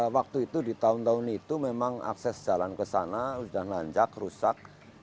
waktu itu di tahun tahun itu memang akses jalan kesana udah lancak rusak